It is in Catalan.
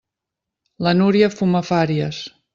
La Núria fuma fàries.